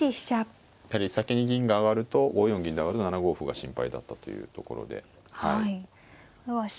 やはり先に銀が上がると５四銀で上がると７五歩が心配だったというところで。